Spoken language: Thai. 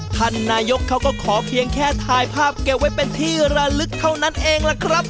ท่านนายกเขาก็ขอเพียงแค่ถ่ายภาพเก็บไว้เป็นที่ระลึกเท่านั้นเองล่ะครับ